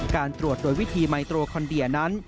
การตรวจโดยวิธีไมโตรคอนเดียนั้น